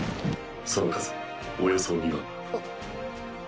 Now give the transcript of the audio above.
その数およそ２万。